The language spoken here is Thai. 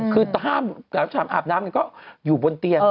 คือห้ามอาบน้ำมันก็อยู่บนเตียง